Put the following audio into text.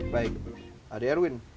baik adik erwin